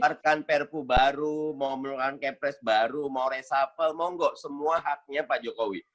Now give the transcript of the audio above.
serahkan perfu baru mau melakukan capres baru mau reshuffle mau nggak semua haknya pak jokowi